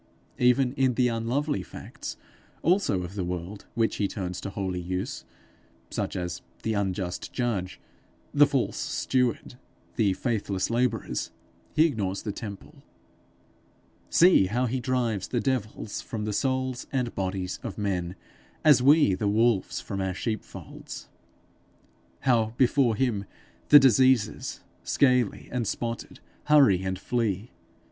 Even in the unlovely facts also of the world which he turns to holy use, such as the unjust judge, the false steward, the faithless labourers, he ignores the temple. See how he drives the devils from the souls and bodies of men, as we the wolves from our sheepfolds! how before him the diseases, scaly and spotted, hurry and flee!